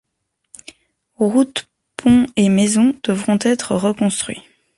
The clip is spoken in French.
Routes, ponts et maisons devront être reconstruits.